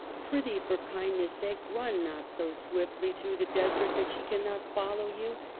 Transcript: Prithee, for kindness' sake, run not so swiftly through the desert that she cannot follow you